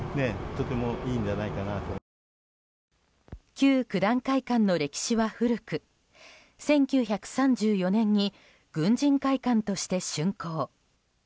旧九段会館の歴史は古く１９３４年に軍人会館として竣工。